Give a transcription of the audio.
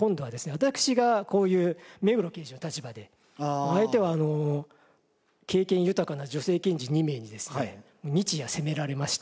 私がこういう目黒刑事の立場で相手は経験豊かな女性検事２名にですね日夜責められまして。